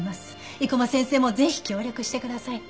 生駒先生もぜひ協力してください。